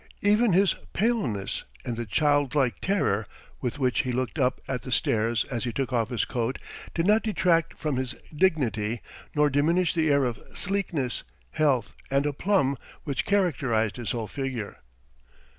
Even his paleness and the childlike terror with which he looked up at the stairs as he took off his coat did not detract from his dignity nor diminish the air of sleekness, health, and aplomb which characterized his whole figure.